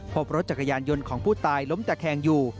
พบรถจักรยานยนต์ของผู้ตายล้มตะแคงอยู่